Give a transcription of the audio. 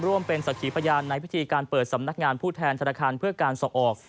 ร่วมเป็นสักขีพยานในพิธีการเปิดสำนักงานผู้แทนธนาคารเพื่อการส่งออก